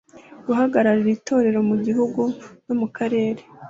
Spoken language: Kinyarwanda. Guhagararira Itorero mu gihiugu no mu karere